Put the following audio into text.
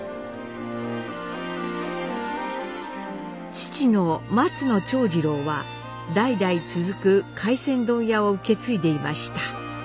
父の松野長次郎は代々続く回船問屋を受け継いでいました。